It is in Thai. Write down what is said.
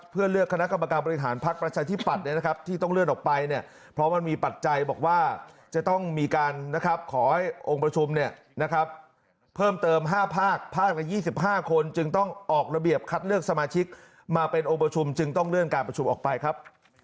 เพื่อเลือกคณะกรรมการบริฐานภักดิ์ประชาชนที่ปัดเนี่ยนะครับ